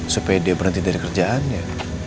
supaya dia berhenti dari kerjaannya